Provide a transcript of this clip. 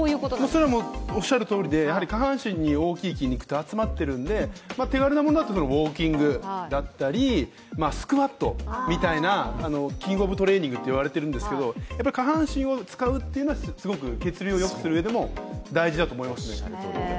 それはもうおっしゃるとおりで下半身に大きい筋肉って集まっているので手軽なものだとウォーキングだったりスクワットみたいな、キング・オブ・トレーニングと言われているんですけど、すごく血流をよくするうえでも大事だと思いますね。